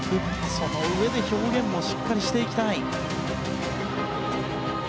そのうえで表現もしっかりしていきたい。